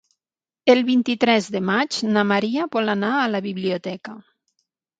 El vint-i-tres de maig na Maria vol anar a la biblioteca.